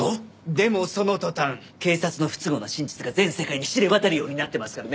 でもその途端警察の不都合な真実が全世界に知れ渡るようになってますからね。